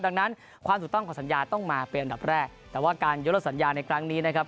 ดังนั้นความถูกต้องของสัญญาต้องมาเป็นอันดับแรกแต่ว่าการยกเลิสัญญาในครั้งนี้นะครับ